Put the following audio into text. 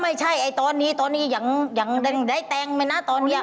ไม่ใช่ตอนนี้ตอนนี้อย่างได้แต้งไหมนะตอนนี้